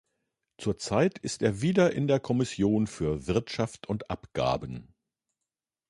Zurzeit ist er wieder in der Kommission für "Wirtschaft und Abgaben".